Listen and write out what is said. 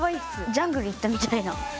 ジャングル行ったみたいな。